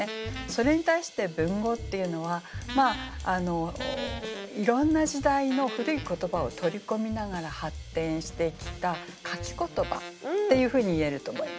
それに対して文語っていうのはいろんな時代の古い言葉を取り込みながら発展してきた書き言葉っていうふうにいえると思います。